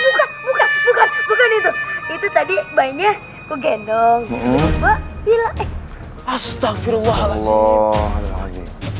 bukan bukan bukan bukan itu tadi banyak kugendong astagfirullahaladzim